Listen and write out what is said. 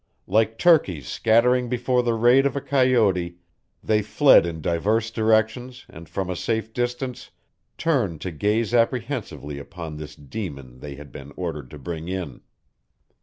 Like turkeys scattering before the raid of a coyote they fled in divers directions and from a safe distance turned to gaze apprehensively upon this demon they had been ordered to bring in.